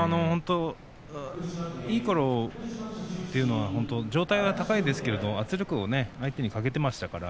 いいころというのは上体が高いですが圧力を相手にかけていました。